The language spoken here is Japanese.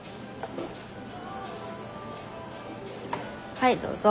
はいどうぞ。